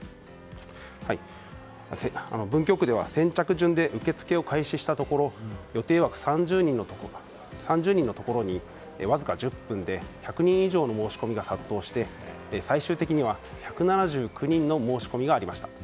文京区では先着順で受け付けを開始したところ予定枠３０人のところにわずか１０分で１００人以上の申し込みが殺到して最終的には１７９人の申し込みがありました。